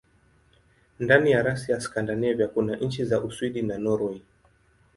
Ndani ya rasi ya Skandinavia kuna nchi za Uswidi na Norwei.